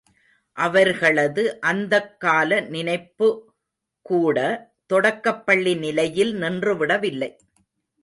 அவர்களது அந்தக்கால நினைப்புகூட தொடக்கப்பள்ளி நிலையில் நின்று விடவில்லை.